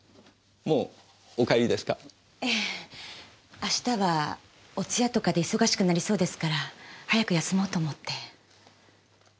明日はお通夜とかで忙しくなりそうですから早く休もうと思って。